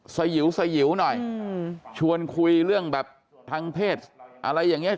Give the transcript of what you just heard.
สยิวสยิวหน่อยชวนคุยเรื่องแบบทางเพศอะไรอย่างนี้